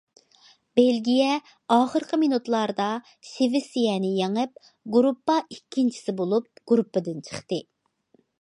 بېلگىيە ئاخىرقى مىنۇتلاردا شىۋېتسىيەنى يېڭىپ، گۇرۇپپا ئىككىنچىسى بولۇپ گۇرۇپپىدىن چىقتى.